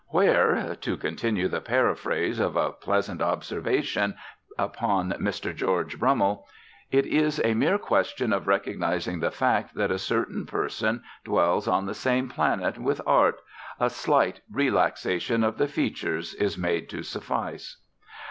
Where to continue the paraphrase of a pleasant observation upon Mr. George Brummell it is a mere question of recognising the fact that a certain person dwells on the same planet with Art "a slight relaxation of the features" is made to suffice.